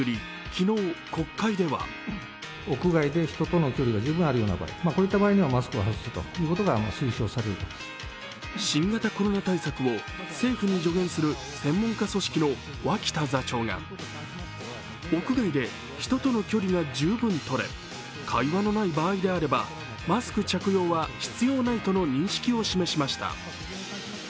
昨日、国会では新型コロナ対策を政府に助言する専門家組織の脇田座長が屋外で、人との距離が十分取れ、会話のない場合であればマスク着用は必要ないとの認識を示しました。